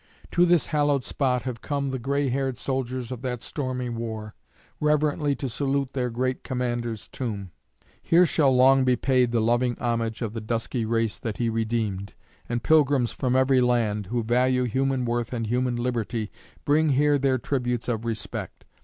To this hallowed spot have come the gray haired soldiers of that stormy war, reverently to salute their great commander's tomb. Here shall long be paid the loving homage of the dusky race that he redeemed. And pilgrims from every land, who value human worth and human liberty, bring here their tributes of respect.